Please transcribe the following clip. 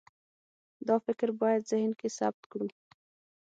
دا فکر باید ذهن کې ثبت کړو.